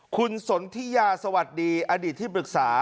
คุณสนทิยาสวัสดีอดีตที่ปรึกษา